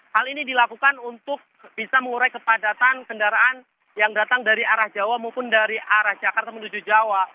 hal ini dilakukan untuk bisa mengurai kepadatan kendaraan yang datang dari arah jawa maupun dari arah jakarta menuju jawa